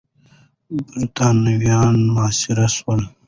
برتانويان محاصره سول.